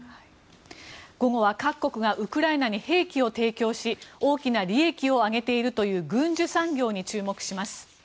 午後は各国がウクライナに兵器を提供し大きな利益を上げているという軍需産業に注目します。